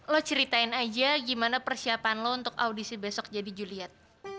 lo ceritain aja gimana persiapan lo untuk audisi besok jadi juliet